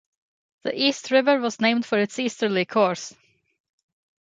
The East River was named for its easterly course.